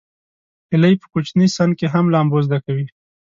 هیلۍ په کوچني سن کې هم لامبو زده کوي